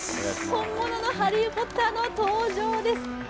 本物のハリー・ポッターの登場です。